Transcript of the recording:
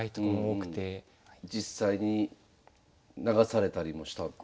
実際に流されたりもしたんですか？